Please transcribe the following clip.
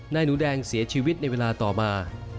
หนูแดงเสียชีวิตในเวลาต่อมา